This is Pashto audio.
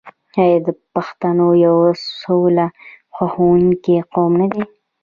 آیا پښتون یو سوله خوښوونکی قوم نه دی؟